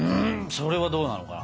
それはどうなのかな？